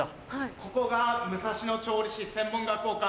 ここが武蔵野調理師専門学校か。